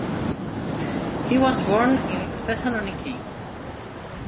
He was born in Thessaloniki.